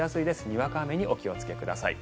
にわか雨にお気をつけください。